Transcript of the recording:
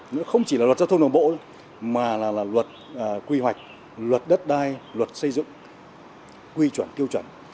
nó không chỉ là luật giao thông đường bộ mà là luật quy hoạch luật đất đai luật xây dựng quy chuẩn tiêu chuẩn